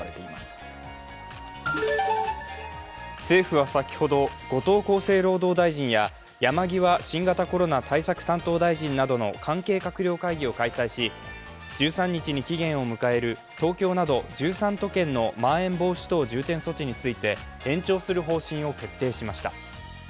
政府は先ほど後藤厚生労働大臣や山際新型コロナ対策担当大臣などの関係閣僚会議を開催し、１３日に期限を迎える東京など１３都県のまん延防止等重点措置について延長する方針を決定しました。